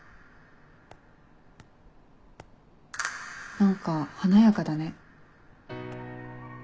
何か華やかだね。